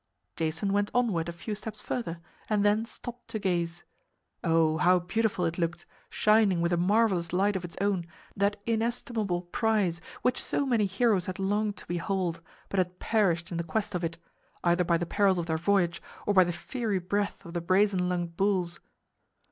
Jason went onward a few steps further, and then stopped to gaze. Oh, how beautiful it looked, shining with a marvelous light of its own, that inestimable prize which so many heroes had longed to behold, but had perished in the quest of it, either by the perils of their voyage or by the fiery breath of the brazen lunged bulls.